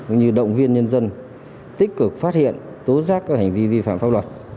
cũng như động viên nhân dân tích cực phát hiện tố giác các hành vi vi phạm pháp luật